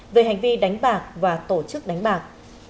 về hành vi đánh bạc và tổ chức đánh bạc